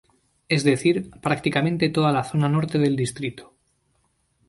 Es decir, prácticamente toda la zona norte del distrito.